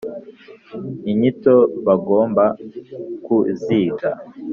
inyito bangomba ku ziga